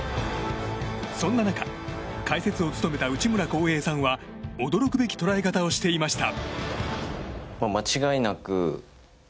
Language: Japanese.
そんな中、解説を務めた内村航平さんは驚くべき捉え方をしていました。